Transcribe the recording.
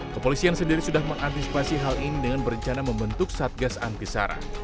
kepolisian sendiri sudah mengantisipasi hal ini dengan berencana membentuk satgas antisara